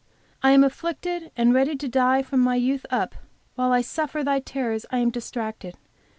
"I am afflicted, and ready to die from my youth up, while I suffer thy terrors I am distracted.